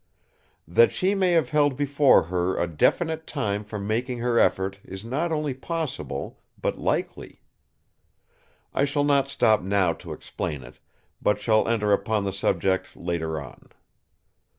That she may have held before her a definite time for making her effort is not only possible but likely. I shall not stop now to explain it, but shall enter upon the subject later on.